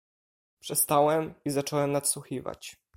"Przestałem i zacząłem nadsłuchiwać."